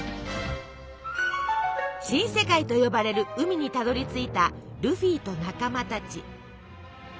新世界と呼ばれる海にたどりついたルフィと仲間たち。